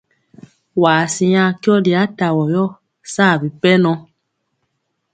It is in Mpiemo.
Waa siŋa kyɔli atavɔ yɔ saa bipɛnɔ.